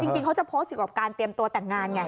จริงเขาจะโพสต์เกี่ยวกับการเตรียมตัวแต่งงานไง